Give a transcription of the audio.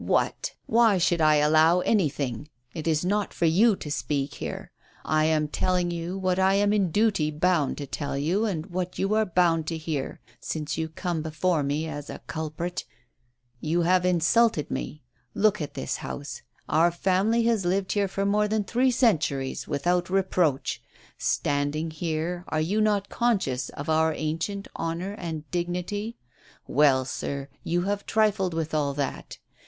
" What? Why should I allow anything? It is not for you to speak here. I am telling you what I am in duty bound to tell you, and what you are bound to hear, since you come before me as a culprit. You have in sulted me. Look at this house. Our family has lived here for more than three centuries without reproach. Standing here, are you not conscious of our ancient honor and dignity? Well, sir, you have trifled with all that.